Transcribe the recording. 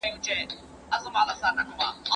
دا هغه سياسي ګوند دی چي د خلکو ملاتړ يې خپل کړی دی.